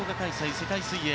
世界水泳。